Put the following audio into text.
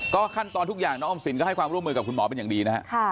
ขั้นตอนทุกอย่างน้องออมสินก็ให้ความร่วมมือกับคุณหมอเป็นอย่างดีนะฮะ